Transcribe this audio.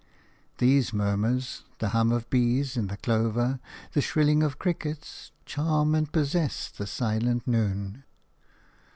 These murmurs, the hum of bees in the clover, the shrilling of crickets, charm and possess the silent noon.